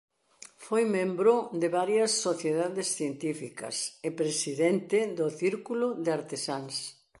Foi membro de varias sociedades científicas e presidente do Círculo de Artesáns.